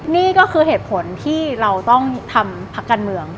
นี่ก็คือเหตุผลที่เราต้องทำพักการเมือง